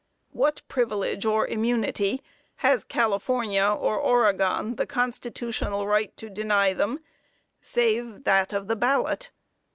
What privilege or immunity has California or Oregon the constitutional right to deny them, save that of the ballot?